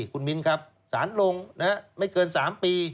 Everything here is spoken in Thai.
คุณมิ้นครับสารลงไม่เกิน๓ปี